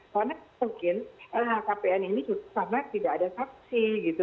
karena mungkin lhkpn ini sama tidak ada saksi gitu